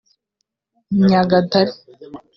Nyagatare